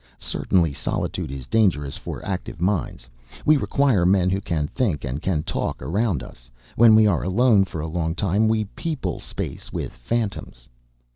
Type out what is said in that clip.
Certainly solitude is dangerous for active minds. We require men who can think and can talk, around us. When we are alone for a long time we people space with phantoms.